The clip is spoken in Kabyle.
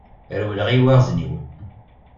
Rewleɣ i yiwaɣezniwen.